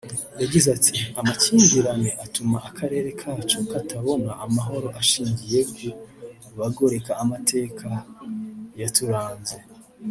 yagize“ati amakimbirane atuma akarere kacu katabona amahoro ashingiye ku bagoreka amateka yaturanze